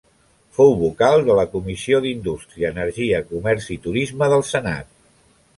Fou vocal de la Comissió d'Indústria, Energia, Comerç i Turisme del Senat.